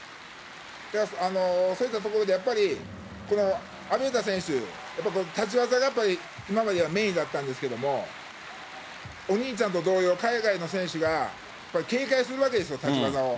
そういったところでやっぱり、この阿部詩選手、立ち技が今まではメインだったんですけど、お兄ちゃんと同様、海外の選手がやっぱり警戒するわけですよ、立ち技を。